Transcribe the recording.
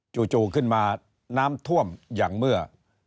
จู่ขึ้นมาน้ำท่วมอย่างเมื่อ